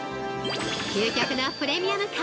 ◆究極のプレミアム感。